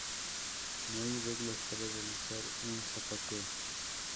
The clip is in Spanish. No hay reglas para realizar un zapateo.